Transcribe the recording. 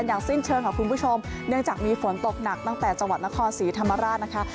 อย่างสิ้นเชิงค่ะคุณผู้ชมเนื่องจากมีฝนตกหนักตั้งแต่จังหวัดนครศรีธรรมราชนะคะ